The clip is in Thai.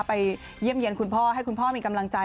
เยี่ยมเยี่ยมคุณพ่อให้คุณพ่อมีกำลังใจ